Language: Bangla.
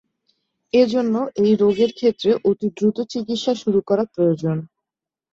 এজন্য এই রোগের ক্ষেত্রে অতি দ্রুত চিকিৎসা শুরু করা প্রয়োজন।